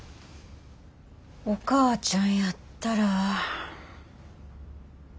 お母ちゃんやったら。